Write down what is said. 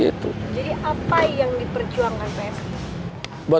gitu jadi apa yang